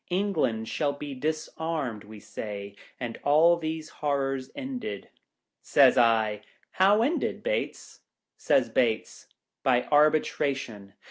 England shall he disarmed, we say, and all these horrors ended." Says I, "How ended, Bates?" Says Bates, "By arbitration.